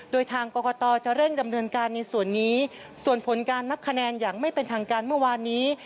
โดยทางกรกตจะเร่งดำเนินการในส่วนนี้ส่วนผลการนับคะแนนอย่างไม่เป็นทางการเมื่อวานนี้